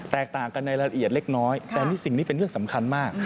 แตกต่างกันในรายละเอียดเล็กน้อยแต่นี่สิ่งนี้เป็นเรื่องสำคัญมาก